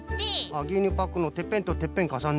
ぎゅうにゅうパックのてっぺんとてっぺんかさねる。